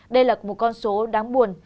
đây là một con số đáng buồn